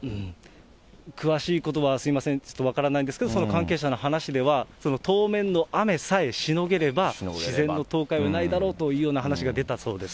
詳しいことはすみません、ちょっと分からないんですけれども、関係者の話では、当面の雨さえしのげれば、自然の倒壊はないだろうというような話が出たそうです。